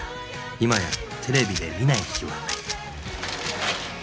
今やテレビで見ない日はない